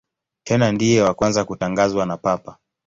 Tena ndiye wa kwanza kutangazwa na Papa.